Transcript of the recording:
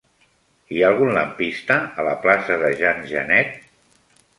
Hi ha algun lampista a la plaça de Jean Genet?